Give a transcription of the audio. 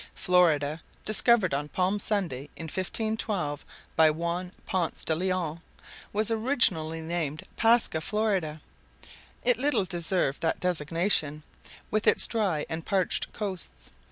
Florida, discovered on Palm Sunday, in 1512, by Juan Ponce de Leon, was originally named Pascha Florida. It little deserved that designation, with its dry and parched coasts.